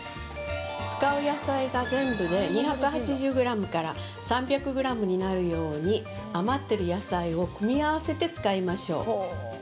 使う野菜が全部で２８０ｇから３００ｇになるように余っている野菜を組み合わせて使いましょう。